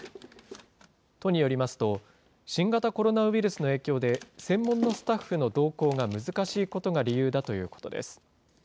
都によりますと、新型コロナウイルスの影響で、専門のスタッフの同行が難しいことが理由だということです。